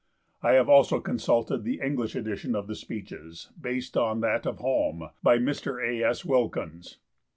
I have also consulted the English edition of the Speeches, based on that of Halm, by Mr. A. S. Wilkins.